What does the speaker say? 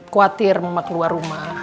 khawatir mama keluar rumah